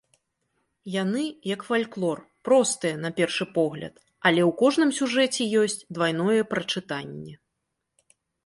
Яны, як фальклор, простыя на першы погляд, але ў кожным сюжэце ёсць двайное прачытанне.